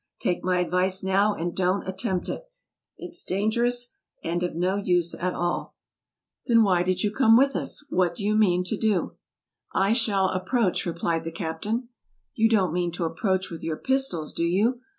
Take my advice now and don't attempt it. It's dangerous, and of no use at all." 1 < Then why did you come out with us ? What do you mean to do ?"" I shall ' approach,' " replied the captain. "You don't mean to 'approach ' with your pistols, do you